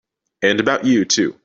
And about you too!